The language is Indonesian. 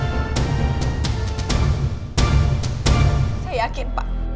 saya yakin pak